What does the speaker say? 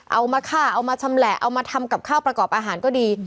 เอามาฆ่าเอามาชำแหละเอามาทำกับข้าวประกอบอาหารก็ดี